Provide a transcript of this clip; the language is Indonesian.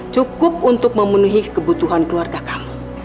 cukup untuk memenuhi kebutuhan keluarga kamu